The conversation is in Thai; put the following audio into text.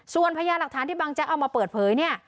ส่วนพญาหลักฐานที่บางแจ๊กเอามาเปิดเผยเนี่ย